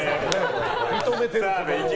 認めてる。